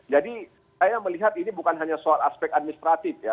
jadi saya melihat ini bukan hanya soal aspek administratif ya